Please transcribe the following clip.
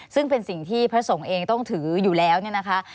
ซึ่งเป็นสิ่งที่พระสงฆ์เองต้องถืออยู่แล้วเนี่ยนะคะ